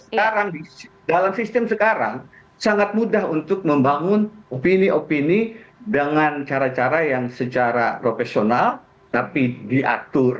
sekarang dalam sistem sekarang sangat mudah untuk membangun opini opini dengan cara cara yang secara profesional tapi diatur